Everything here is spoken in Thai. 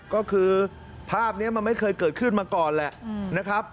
ก็คือภาพนี้มันไม่เคยเกิดขึ้นมาก่อนแหละนะครับ